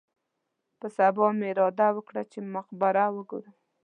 په سبا مې اراده وکړه چې مقبره وګورم.